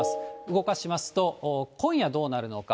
動かしますと、今夜どうなるのか。